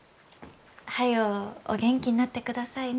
早うお元気になってくださいね。